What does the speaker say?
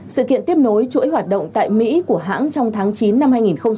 sự kiện tiếp nối chuỗi hoạt động tại mỹ của hãng trong tháng chín năm hai nghìn hai mươi